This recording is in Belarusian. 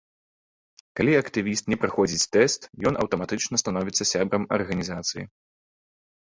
Калі актывіст не праходзіць тэст, ён аўтаматычна становіцца сябрам арганізацыі.